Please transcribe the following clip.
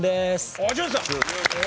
ああジュンさん。